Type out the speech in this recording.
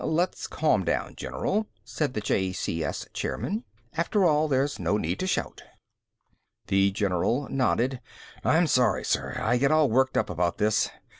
"Let's calm down, General," said the JCS chairman, "After all, there's no need to shout." The general nodded. "I'm sorry, sir. I get all worked up about this.